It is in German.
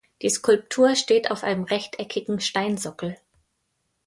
Die Skulptur steht auf einem rechteckigen Steinsockel.